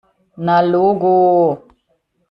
Na logo!